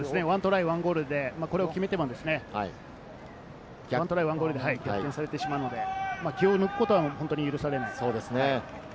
１トライ１ゴールで、これを決めても１トライ１ゴールで逆転されてしまうので、気を抜くことは本当に許されないです。